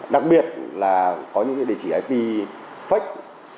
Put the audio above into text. đặc biệt là có những địa chỉ ip fake